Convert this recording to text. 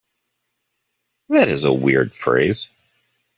That is a weird phrase.